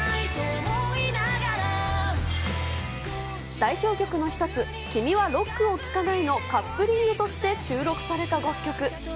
代表曲の一つ、君はロックを聴かないのカップリングとして収録された楽曲。